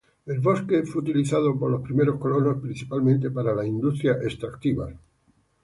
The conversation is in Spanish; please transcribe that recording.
El bosque fue utilizado por los primeros colonos principalmente para las industrias extractivas.